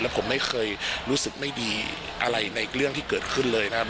ผมไม่เคยรู้สึกไม่ดีอะไรในเรื่องที่เกิดขึ้นเลยนะครับ